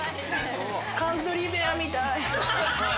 カントリーベアみたい。